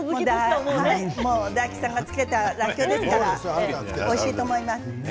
大吉さんが漬けたらっきょうですからおいしいと思います。